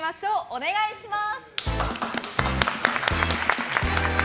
お願いします。